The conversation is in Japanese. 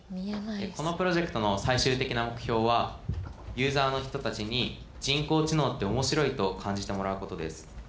このプロジェクトの最終的な目標はユーザーの人たちに人工知能って面白いと感じてもらうことです。